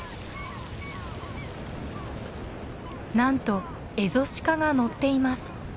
なんとエゾシカが乗っています。